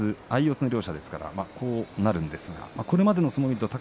相四つの両者ですからこうなるんですがこれまでの相撲は宝